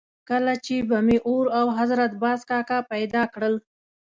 کله چې به مې اور او حضرت باز کاکا پیدا کړل.